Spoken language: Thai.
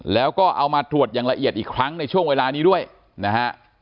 แล้วก็เอามาตรวจอย่างละเอียดอีกครั้งในช่วงเวลานี้ด้วยนะฮะ